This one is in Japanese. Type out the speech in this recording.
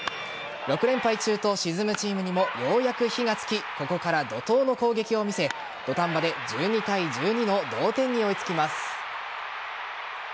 ６連敗中と沈むチームにもようやく火がつきここから怒涛の攻撃を見せ土壇場で１２対１２の同点に追いつきます。